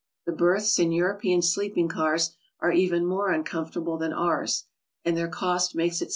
The 'berths in European sleeping cars are even more uncomfortable than ours, and their cost makes it